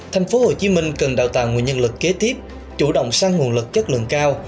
thành phố hồ chí minh cần đào tạo nguồn nhân lực kế tiếp chủ động sang nguồn lực chất lượng cao